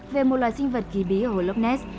về một loài sinh vật kỳ bí ở hồ loch ness